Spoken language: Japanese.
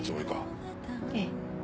ええ。